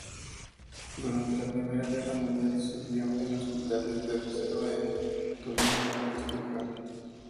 Durante la Primera Guerra Mundial sirvió en hospitales de reserva en Tubinga y Stuttgart.